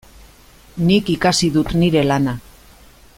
Nik ikasi dut nire lana.